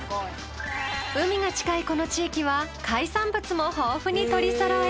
海が近いこの地域は海産物も豊富に取りそろえ。